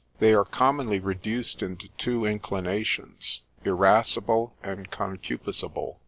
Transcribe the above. They are commonly reduced into two inclinations, irascible and concupiscible.